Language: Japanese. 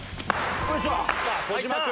小島君。